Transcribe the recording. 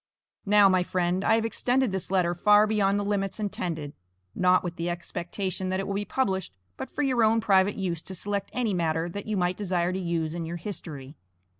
Now, my friend, I have extended this letter far beyond the limits intended, not with the expectation that it will be published, but for your own private use to select any matter that you might desire to use in your history.